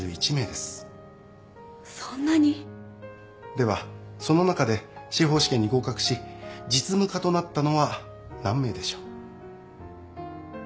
ではその中で司法試験に合格し実務家となったのは何名でしょう？